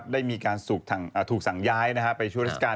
ได้มีการถูกสั่งย้ายไปช่วยราชการ